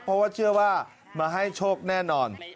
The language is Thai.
เพราะว่าเชื่อว่ามาให้โชคแน่นอน